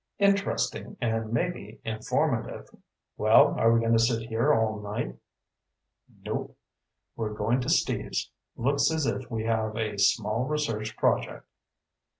"Interesting and maybe informative. Well, are we going to sit here all night?" "Nope. We're going to Steve's. Looks as if we have a small research project."